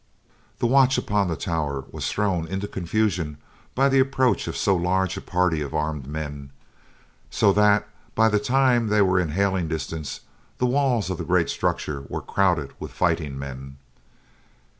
The watch upon the tower was thrown into confusion by the approach of so large a party of armed men, so that, by the time they were in hailing distance, the walls of the great structure were crowded with fighting men.